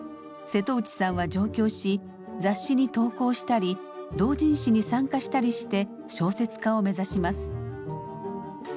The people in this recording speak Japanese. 瀬戸内さんは上京し雑誌に投稿したり同人誌に参加したりして小説家を目指します。